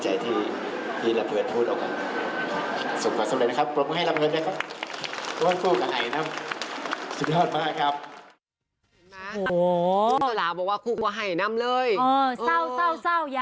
อยากให้ระเฟิร์นรู้ว่าตัวเองเป็นคนสำคัญ